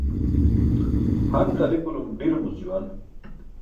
Han qali̇pulum ḍiromuc juwan.